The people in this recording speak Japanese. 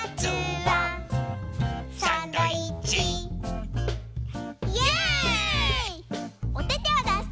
はい！